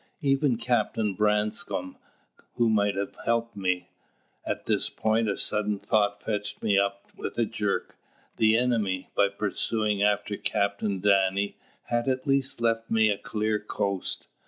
Even Captain Branscome, who might have helped me At this point a sudden thought fetched me up with a jerk. The enemy, by pursuing after Captain Danny, had at least left me a clear coast.